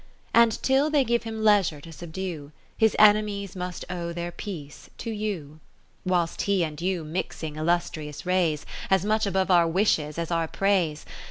And till they give him leisure to subdue. His enemies must owe their peace to you. Whilst he and you mixing illustrious rays. As much above our wishes as our praise.